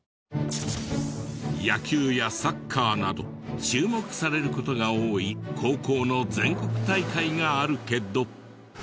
野球やサッカーなど注目される事が多い高校の全国大会があるけど。